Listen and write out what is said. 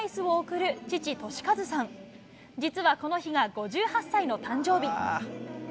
実はこの日が５８歳の誕生日。